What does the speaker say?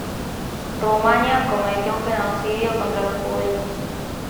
Rumania cometió un genocidio contra los judíos.